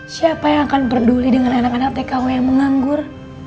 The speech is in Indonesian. siapa yang akan peduli dengan anak anak tkw yang menganggur